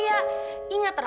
walaupun dia udah kaya